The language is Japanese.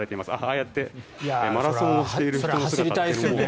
ああやってマラソンをしている人も。